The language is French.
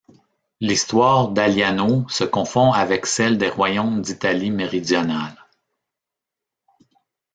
L'histoire d'Aliano se confond avec celles des royaumes d'Italie méridionale.